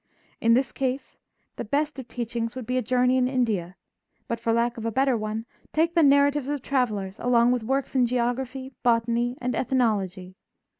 In this case the best of teachings would be a journey in India; but, for lack of a better one, take the narratives of travelers along with works in geography, botany, and ethnology.